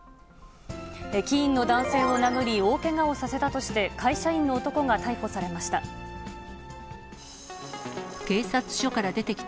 駅員の男性を殴り大けがをさせたとして、会社員の男が逮捕されました。